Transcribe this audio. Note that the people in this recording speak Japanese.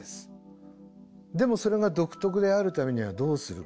でもそれが独特であるためにはどうするか。